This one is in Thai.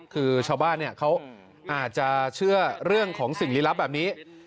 คือชาวบ้านเขาอาจจะเชื่อเรื่องของสิ่งลี้ลับแบบนี้